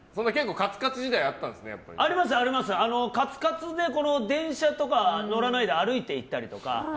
カツカツで電車とかに乗らないで歩いて行ったりとか。